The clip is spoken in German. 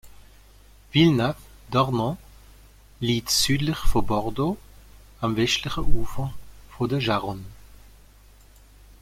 Villenave-d’Ornon liegt südlich von Bordeaux, am westlichen Ufer der Garonne.